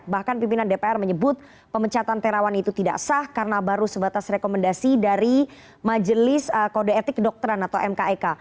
bahkan pimpinan dpr menyebut pemecatan terawan itu tidak sah karena baru sebatas rekomendasi dari majelis kode etik kedokteran atau mkek